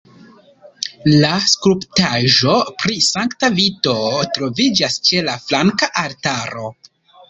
La skulptaĵo pri Sankta Vito troviĝas ĉe la flanka altaro.